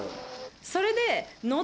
それで。